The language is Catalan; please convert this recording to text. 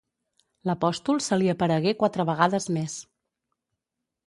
L'apòstol se li aparegué quatre vegades més.